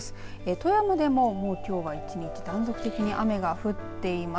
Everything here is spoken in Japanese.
富山でもきょうは一日断続的に雨が降っています。